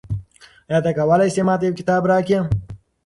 آیا ته کولای سې ما ته یو کتاب راکړې؟